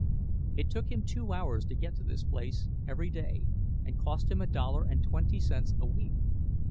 It took him two hours to get to this place every day and cost him a dollar and twenty cents a week.